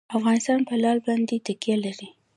افغانستان په لعل باندې تکیه لري.